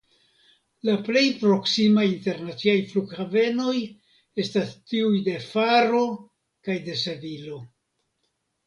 La plej proksimaj internaciaj flughavenoj estas tiuj de Faro kaj de Sevilo.